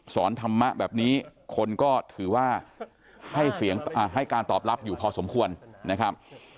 สอนธรรมะแบบนี้คนก็ถือว่าให้การตอบลับอยู่พอสมควรนะครับ